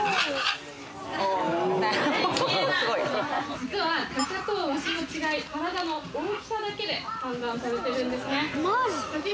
実はタカとワシの違い、体の大きさだけで判断されてるんですね。